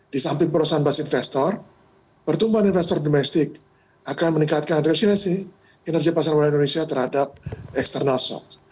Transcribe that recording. di samping perusahaan basis investor pertumbuhan investor domestik akan meningkatkan resilisi energi pasar modal indonesia terhadap external stocks